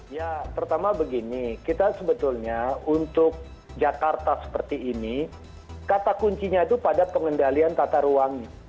ya pertama begini kita sebetulnya untuk jakarta seperti ini kata kuncinya itu pada pengendalian tata ruang